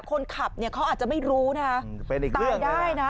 คนขับเนี้ยเขาอาจจะไม่รู้นะคะเป็นอีกเรื่องตายได้นะ